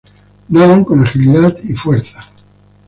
Nadan con agilidad y fuerza.